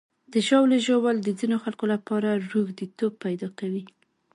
د ژاولې ژوول د ځینو خلکو لپاره روږديتوب پیدا کوي.